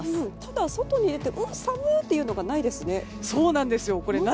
外に出て、うわ寒いというのがないですね。